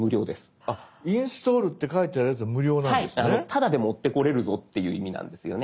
タダで持ってこれるぞっていう意味なんですよね。